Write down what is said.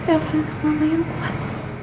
elsa kamu yang kuat